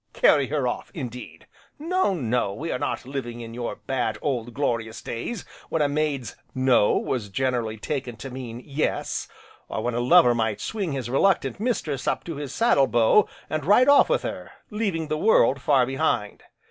Carry her off, indeed! No no, we are not living in your bad, old, glorious days when a maid's "No" was generally taken to mean "Yes" or when a lover might swing his reluctant mistress up to his saddle bow, and ride off with her, leaving the world far behind.